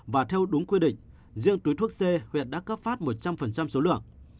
và theo đúng quy định riêng túi thuốc c huyện đã cấp phát một trăm linh số lượng